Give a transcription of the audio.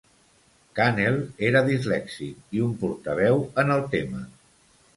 Cannell era dislèxic i un portaveu en el tema.